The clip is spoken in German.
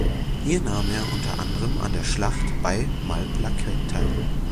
Hier nahm er unter anderem an der Schlacht bei Malplaquet teil.